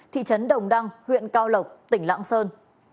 thị trấn đồng đăng huyện cao lộc tỉnh lạng sơn